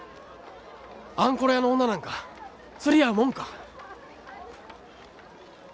あんころ屋の女なんか釣り合うもんか！